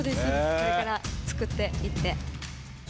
これから作って行って。